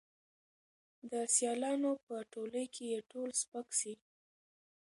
د سیالانو په ټولۍ کي یې تول سپک سي